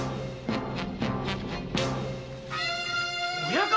親方！